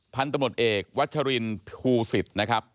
พันธมต์เอกวัชริณฮูศิษฐ์นะครับ